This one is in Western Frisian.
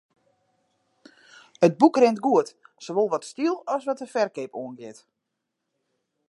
It boek rint goed, sawol wat styl as wat de ferkeap oangiet.